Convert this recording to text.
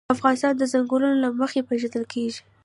افغانستان د ځنګلونه له مخې پېژندل کېږي.